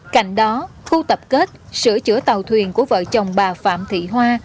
cạnh đó khu tập kết sửa chữa tàu thuyền của vợ chồng bà phạm thị hoa